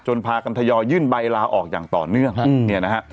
พากันทยอยยื่นใบลาออกอย่างต่อเนื่องฮะเนี่ยนะฮะ